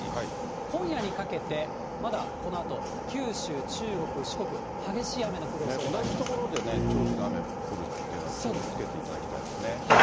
今夜にかけてまだこのあと、九州、中国、四国、同じ所でね、長時間雨降るっていうのは気をつけていただきたいですね。